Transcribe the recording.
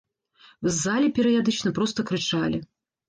З залі перыядычна проста крычалі.